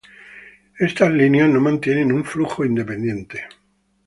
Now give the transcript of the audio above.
Estas líneas no mantienen un flujo independiente.